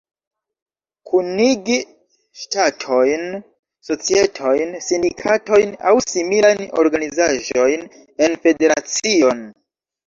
Kunigi ŝtatojn, societojn, sindikatojn aŭ similajn organizaĵojn en federacion.